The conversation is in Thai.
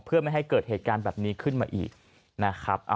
เพื่อไม่ให้เกิดเหตุการณ์แบบนี้ขึ้นมาอีกนะครับ